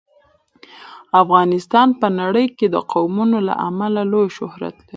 افغانستان په نړۍ کې د قومونه له امله لوی شهرت لري.